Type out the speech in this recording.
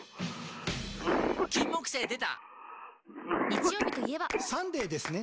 金木犀でた！